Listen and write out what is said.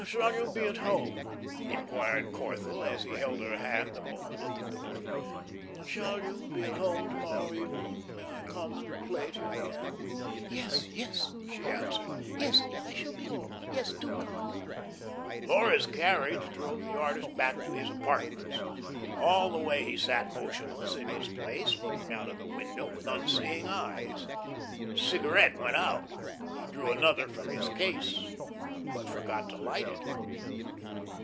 "Shall you be at home?" inquired Corthell, as he held her hand a moment at the door. "Shall you be at home to morrow evening? May I come and play to you again?" "Yes, yes," she answered. "Yes, I shall be home. Yes, do come." Laura's carriage drove the artist back to his apartments. All the way he sat motionless in his place, looking out of the window with unseeing eyes. His cigarette went out. He drew another from his case, but forgot to light it.